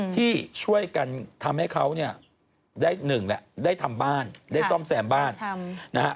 ที่ช่วยกันทำให้เขาเนี่ยได้หนึ่งแหละได้ทำบ้านได้ซ่อมแซมบ้านนะฮะ